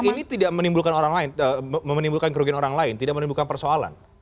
ini tidak menimbulkan orang lain menimbulkan kerugian orang lain tidak menimbulkan persoalan